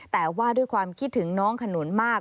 แต่ว่าด้วยความคิดถึงน้องขนุนมาก